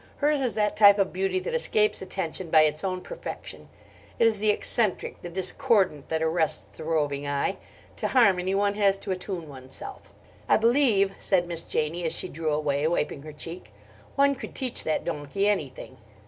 Hers is that type of beauty that escapes attention by its own perfection. It is the eccentric, the discordant, that arrests the roving eye. To harmony one has to attune oneself. "I believe," said Miss Janie, as she drew away, wiping her cheek, "one could teach that donkey anything."